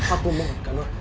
aku mau kak nur